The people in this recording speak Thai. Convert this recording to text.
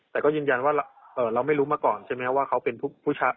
แต่ก็ยืนยันว่าไม่รู้มาก่อนเลยว่าเขาเป็นผู้ชะกองนี้